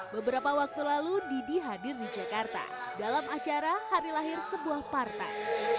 beberapa waktu lalu didi hadir di jakarta dalam acara hari lahir sebuah partai